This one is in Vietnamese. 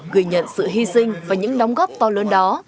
ghi nhận sự hy sinh và những đóng góp to lớn đó